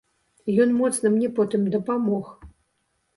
Ён моцна мне потым дапамог.